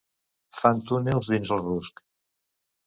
Fan túnels dins el rusc.